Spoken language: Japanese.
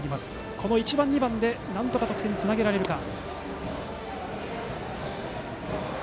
この１番、２番でなんとか得点につなげられるか。